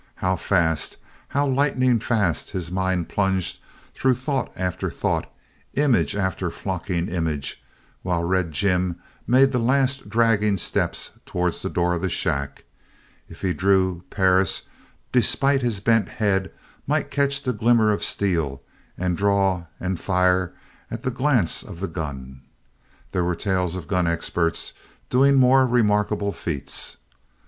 How fast, how lightning fast his mind plunged through thought after thought, image after flocking image, while Red Jim made the last dragging steps towards the door of the shack! If he drew, Perris, despite his bent head might catch the glimmer of steel and draw and fire at the glance of the gun. There were tales of gun experts doing more remarkable feats.